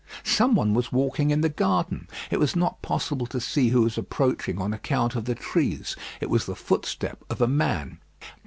Some one was walking in the garden. It was not possible to see who was approaching on account of the trees. It was the footstep of a man.